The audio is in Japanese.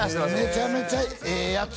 めちゃめちゃええヤツ